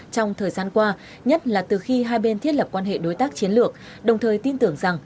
trong thời gian qua nhất là từ khi hai bên thiết lập quan hệ đối tác chiến lược đồng thời tin tưởng rằng